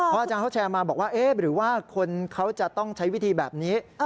อาจารย์เขาแชร์มาบอกว่าเอ๊ะหรือว่าคนเขาจะต้องใช้วิธีแบบนี้